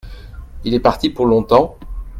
Il est parti pour longtemps.